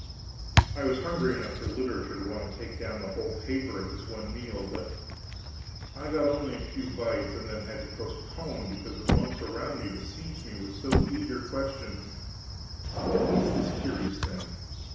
I was hungry enough for literature to want to take down the whole paper at this one meal, but I got only a few bites, and then had to postpone, because the monks around me besieged me so with eager questions: What is this curious thing?